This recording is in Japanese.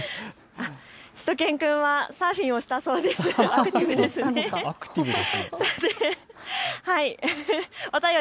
しゅと犬くんはサーフィンをしたそうですよ。